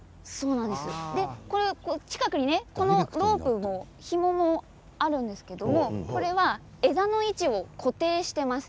近くにロープもひももあるんですけれども枝の位置を固定しています。